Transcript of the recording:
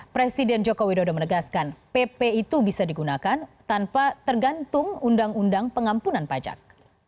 presiden joko widodo menegaskan pp itu bisa digunakan tanpa tergantung undang undang pengampunan pajak